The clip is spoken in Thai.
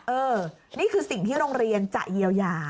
นี่คือสิ่งที่โรงเรียนจะเยียวยา